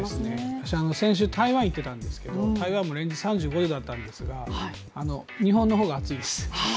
私、先週台湾に行ってたんですけども台湾も連日、３５度以上あったんですが日本の方が暑いです。